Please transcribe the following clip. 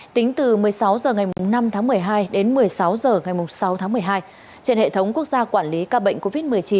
tính từ một mươi sáu h ngày năm tháng một mươi hai đến một mươi sáu h ngày sáu tháng một mươi hai trên hệ thống quốc gia quản lý ca bệnh covid một mươi chín